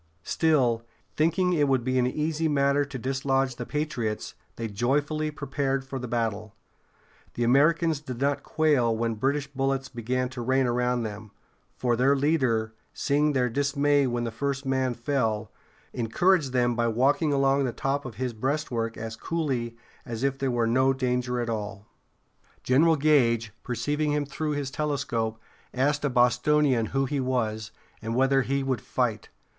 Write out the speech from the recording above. Still, thinking it would be an easy matter to dislodge the patriots, they joyfully prepared for the battle. The Americans did not quail when British bullets began to rain around them, for their leader, seeing their dismay when the first man fell, encouraged them by walking along the top of his breastwork as coolly as if there were no danger at all. General Gage, perceiving him through his telescope, asked a Bostonian who he was, and whether he would fight.